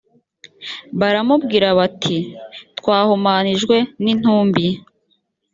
baramubwira bati twahumanijwe n intumbi